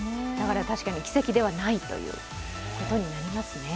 確かに奇跡ではないということになりますね。